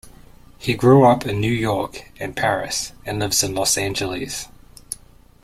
He grew up in New York and Paris, and lives in Los Angeles.